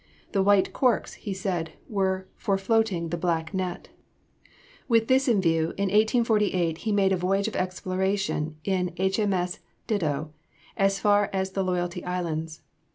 "The white corks," he said, "were for floating the black net." With this in view, in 1848, he made a voyage of exploration in H. M. S. Dido as far as to the Loyalty Islands.